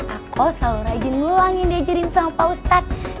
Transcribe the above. aku selalu rajin ngulangin diajarin sama pak ustadz